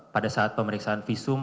pada saat pemeriksaan visum